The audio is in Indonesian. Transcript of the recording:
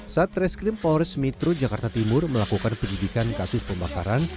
saat reskrim polres metro jakarta timur melakukan penyidikan kasus pembakaran